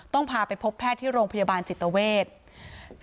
พาไปพบแพทย์ที่โรงพยาบาลจิตเวท